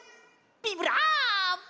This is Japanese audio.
ビブラーボ！